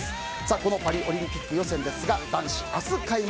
このパリオリンピック予選ですが男子、明日開幕。